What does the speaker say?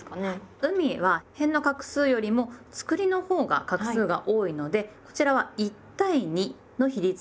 海はへんの画数よりもつくりのほうが画数が多いのでこちらは１対２の比率がベストです。